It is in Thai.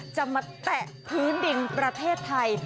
จะมาแตะพื้นดินประเทศไทย